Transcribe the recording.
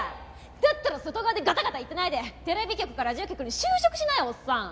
だったら外側でガタガタ言ってないでテレビ局かラジオ局に就職しなよオッサン！